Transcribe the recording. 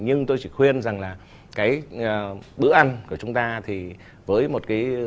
nhưng tôi chỉ khuyên rằng là cái bữa ăn của chúng ta thì với một cái